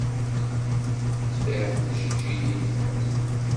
Xtiret tijeǧǧigin i tḥemmlem.